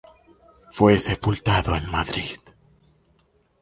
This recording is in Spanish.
Fue sepultado en Madrid.